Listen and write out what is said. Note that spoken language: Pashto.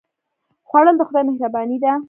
خوړل د خدای مهرباني ده